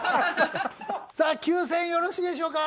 ９０００円よろしいでしょうか？